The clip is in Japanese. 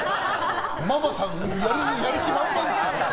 ママさん、やる気満々ですから。